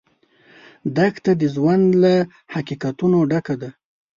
دښته د ژوند له حقیقتونو ډکه ده.